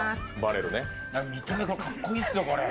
見た目がかっこいいですよ、これ。